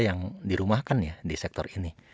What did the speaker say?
yang dirumahkan ya di sektor ini